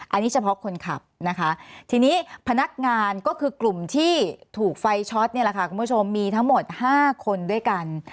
อันนี้เฉพาะคนขับนะคะทีนี้พนักงานก็คือกลุ่มที่ถูกไฟช็อตนี่แหละค่ะคุณผู้ชมมีทั้งหมด๕คนด้วยกัน